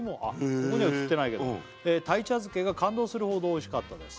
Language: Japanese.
ここには写ってないけど「鯛茶漬けが感動するほどおいしかったです」